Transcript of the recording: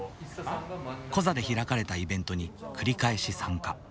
コザで開かれたイベントに繰り返し参加。